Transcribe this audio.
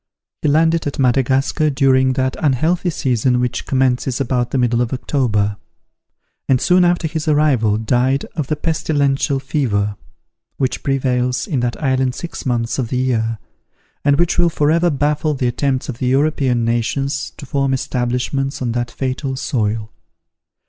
He landed at Madagascar during that unhealthy season which commences about the middle of October; and soon after his arrival died of the pestilential fever, which prevails in that island six months of the year, and which will forever baffle the attempts of the European nations to form establishments on that fatal soil.